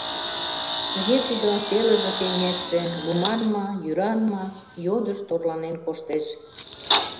Тыге тудо телыже-кеҥежше, луман ма, йӱран ма — йодышт орланен коштеш.